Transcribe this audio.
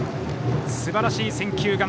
すばらしい選球眼。